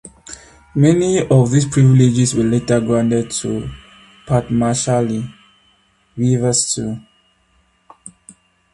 Many of these privileges were later granted to "Padmashali" weavers too.